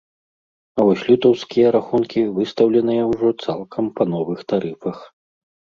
А вось лютаўскія рахункі выстаўленыя ўжо цалкам па новых тарыфах.